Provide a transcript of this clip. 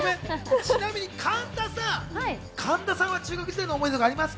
ちなみに神田さんは中学時代の思い出ありますか？